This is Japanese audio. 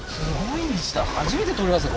初めて通りますよ